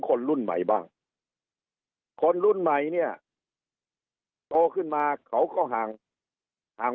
คนรุ่นใหม่บ้างคนรุ่นใหม่เนี่ยโตขึ้นมาเขาก็ห่างห่าง